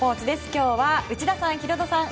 今日は内田さん、ヒロドさん